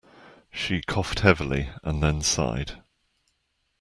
She coughed heavily and then sighed.